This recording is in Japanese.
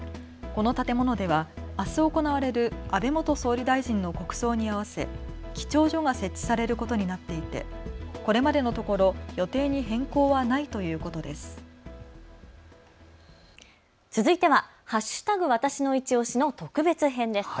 この建物ではあす行われる安倍元総理大臣の国葬に合わせ記帳所が設置されることになっていてこれまでのところ予定に変更はないということです。